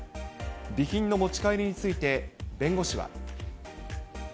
備品の持ち帰りについて、弁護士は。